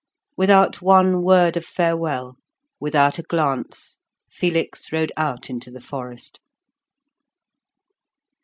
Without one word of farewell, without a glance, Felix rode out into the forest.